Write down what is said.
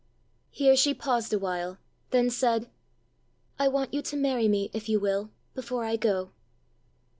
Here she paused a while, then said, "I want you to marry me, if you will, before I go."